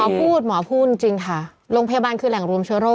พูดหมอพูดจริงค่ะโรงพยาบาลคือแหล่งรวมเชื้อโรค